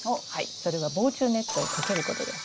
それは防虫ネットをかけることです。